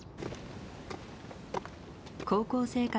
高校生活